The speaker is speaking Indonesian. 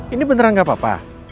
ini beneran gak apa apa